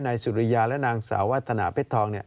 ให้นายสุริยาและนางสาวาทนาเพชรทอง